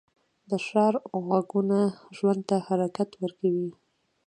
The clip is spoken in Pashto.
د ښار غږونه ژوند ته حرکت ورکوي